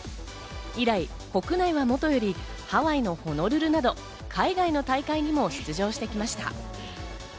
以来、国内はもとより、ハワイのホノルルなど海外の大会にも出場してきました。